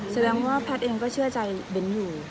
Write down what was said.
แสดงว่าแพทย์เองก็เชื่อใจเบ้นอยู่